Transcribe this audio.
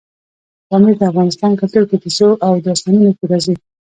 پامیر د افغان کلتور په کیسو او داستانونو کې راځي.